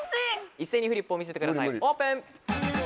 一斉にフリップを見せてくださいオープン！